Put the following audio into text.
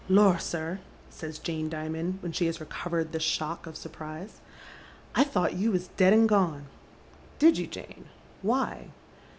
"Lor, sir," says Jane Dimond, when she has recovered the shock of surprise ;" I thought you was dead and gone." "Did you, Jane. Why?'"